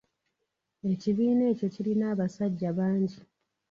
Ekibiina ekyo kirina abasajja bangi.